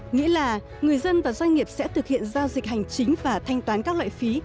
nghĩa là người dân và doanh nghiệp sẽ thực hiện giao dịch hành chính và thanh toán các loại phí